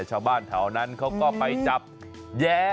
ชาวบ้านแถวนั้นเขาก็ไปจับแย้